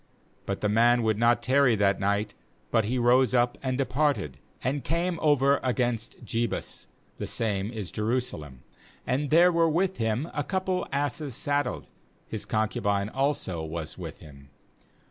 10But the man would not tarry that night, but he rose up and departed, and came over against Jebus — the same is Jerusalem; and there were with him a couple of asses saddled; his concubine also was with him.